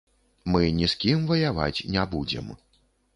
Мы ні з кім ваяваць не будзем.